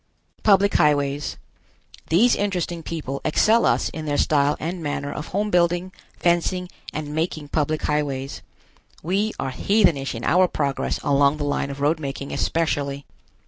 PUBLIC HIGHWAYS. These interesting people excel us in their style and manner of home building, fencing and making public highways. We are heathenish in our progress along the line of road making especially.